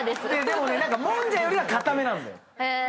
でももんじゃよりは固めなんだよ。